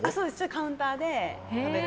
カウンターで食べる。